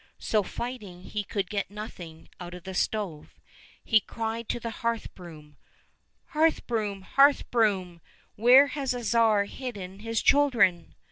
— So, finding he could get nothing out of the stove, he cried to the hearth broom, " Hearth broom, hearth broom, where has the Tsar hidden his children